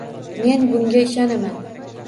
Men bunga ishonaman.